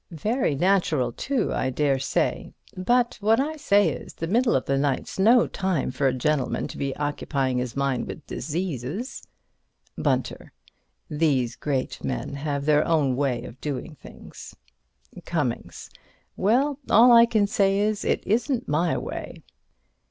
Very natural, too, I daresay. But what I say is, the middle of the night's no time for a gentleman to be occupying his mind with diseases. Bunter: These great men have their own way of doing things. Cummings: Well, all I can say is, it isn't my way.